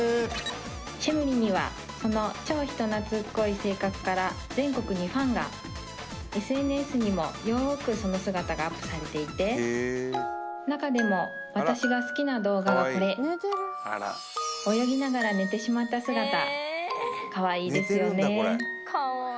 シェムリにはその超人懐っこい性格から全国にファンがＳＮＳにもよくその姿がアップされていて中でも私が好きな動画がこれかわいいですよね